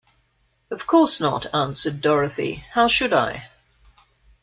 "Of course not," answered Dorothy; "how should I?"